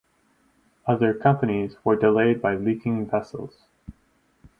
Other companies were delayed by leaking vessels.